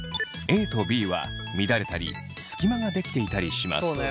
ＡとＢは乱れたり隙間ができていたりします。